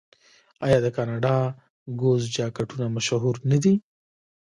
آیا د کاناډا ګوز جاکټونه مشهور نه دي؟